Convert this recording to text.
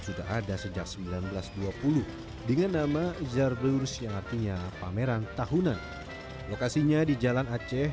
sudah ada sejak seribu sembilan ratus dua puluh dengan nama zarblurus yang artinya pameran tahunan lokasinya di jalan aceh